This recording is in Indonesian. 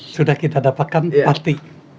sudah kita dapatkan pasti